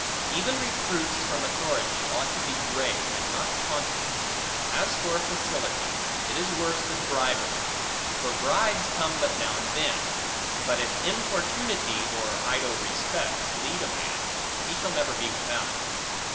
Even reproofs from authority, ought to be grave, and not taunting. As for facility: it is worse than bribery. For bribes come but now and then; but if importunity, or idle respects, lead a man, he shall never be without.